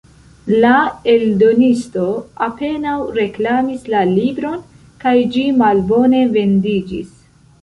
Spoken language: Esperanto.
La eldonisto apenaŭ reklamis la libron, kaj ĝi malbone vendiĝis.